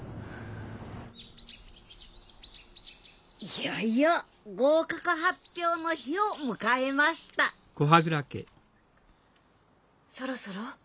いよいよ合格発表の日を迎えましたそろそろ？